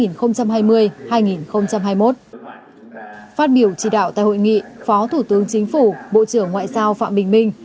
phát biểu chỉ đạo tại hội nghị phó thủ tướng chính phủ bộ trưởng ngoại giao phạm bình minh